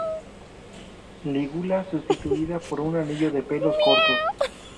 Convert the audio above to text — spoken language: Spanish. Lígula sustituida por un anillo de pelos cortos.